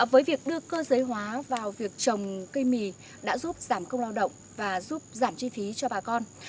với việc đưa cơ giới hóa vào việc trồng cây mì đã giúp giảm công lao động và giúp giảm chi phí cho bà con